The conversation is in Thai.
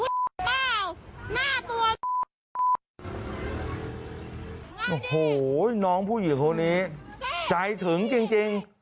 โอ้โหน้องผู้หญิงคนนี้ใจถึงจริง